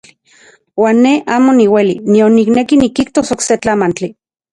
Uan ne amo niueli nion nikneki nikijtos okse tlamantli.